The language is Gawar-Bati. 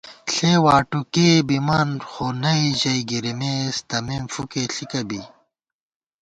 ݪےواٹوکےبِمان خو نئ ژَئی گِرِمېس تمېم فُکےݪِکہ بی